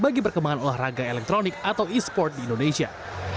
untuk pelah raga elektronik atau esport di indonesia